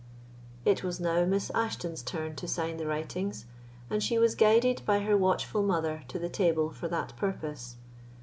It was now Miss Ashton's turn to sign the writings, and she was guided by her watchful mother to the table for that purpose.